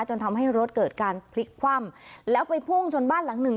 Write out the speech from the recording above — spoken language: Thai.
จนทำให้รถเกิดการพลิกคว่ำแล้วไปพุ่งชนบ้านหลังหนึ่ง